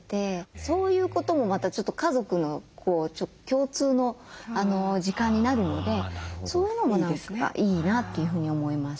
そういうこともまたちょっと家族の共通の時間になるのでそういうのも何かいいなというふうに思います。